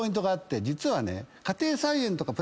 実はね。